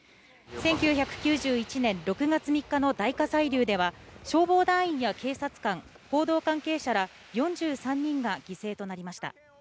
１９９１年６月３日の大火砕流では消防団員や警察官報道関係者ら４３人が犠牲となりました。